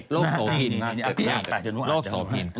โรคโสพิน